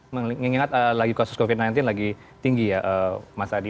mengingat laju kasus covid sembilan belas lagi tinggi ya mas adi